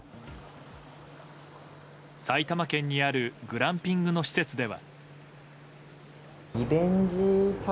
埼玉県にあるグランピングの施設では。